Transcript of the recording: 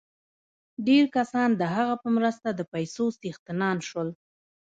ډېر کسان د هغه په مرسته د پیسو څښتنان شول